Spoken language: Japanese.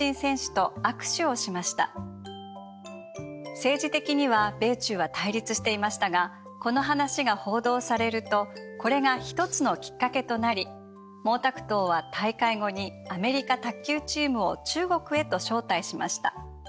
政治的には米中は対立していましたがこの話が報道されるとこれが一つのきっかけとなり毛沢東は大会後にアメリカ卓球チームを中国へと招待しました。